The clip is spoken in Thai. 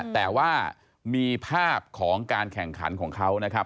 แต่ว่ามีภาพของการแข่งขันของเขานะครับ